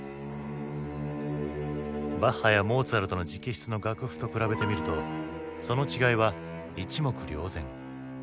バッハやモーツァルトの直筆の楽譜と比べてみるとその違いは一目瞭然。